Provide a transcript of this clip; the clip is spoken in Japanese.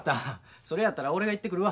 それやったら俺が行ってくるわ。